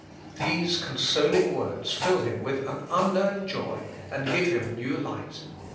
These consoling words fill him with unknown joy, and give him new light.